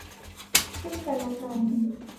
ซึ่งกันและกัน